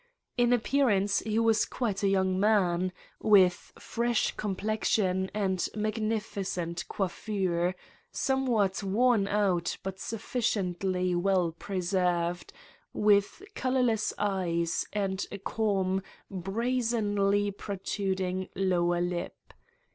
In appearance he was quite a young man, with fresh complexion and magnificent coiffure, somewhat worn out but suf ficiently well preserved, with colorless eyes and a calm, brazenly protruding lower lip.